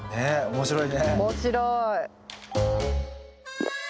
面白い。